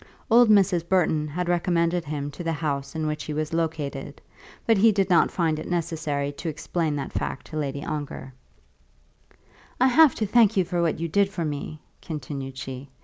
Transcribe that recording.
Old Mrs. Burton had recommended him to the house in which he was located, but he did not find it necessary to explain that fact to Lady Ongar. "I have to thank you for what you did for me," continued she.